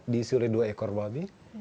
diisi oleh dua ekor babi